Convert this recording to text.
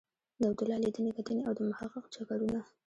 د عبدالله لیدنې کتنې او د محقق چکرونه.